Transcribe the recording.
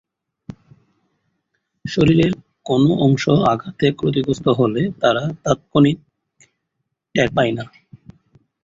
শরীরের কোনো অংশ আঘাতে ক্ষতিগ্রস্ত হলে তারা তাৎক্ষণিক টের পায় না।